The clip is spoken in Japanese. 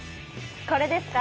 これですか？